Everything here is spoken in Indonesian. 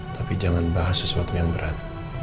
tapi jangan bahas sesuatu yang berat